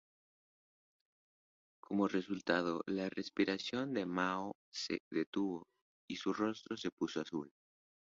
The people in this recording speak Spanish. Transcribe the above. Como resultado, la respiración de Mao se detuvo y su rostro se puso azul.